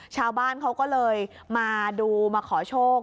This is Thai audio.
ชาวบ้านเขาก็เลยมาดูมาขอโชค